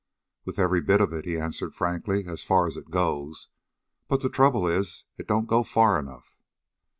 "With every bit of it," he answered frankly, "as far as it goes. But the trouble is, it don't go far enough."